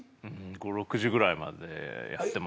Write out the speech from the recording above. ５６時ぐらいまでやってます。